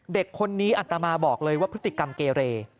เด็กคนนี้อัตมาบอกเลยว่าพฤติกรรมเกเร